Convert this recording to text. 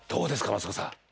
マツコさん